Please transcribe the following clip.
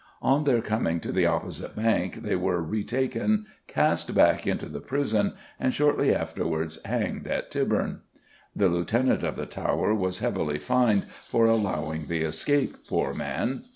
On their coming to the opposite bank they were re taken, cast back into the prison, and shortly afterwards hanged at Tyburn. The Lieutenant of the Tower was heavily fined for "allowing the escape," poor man!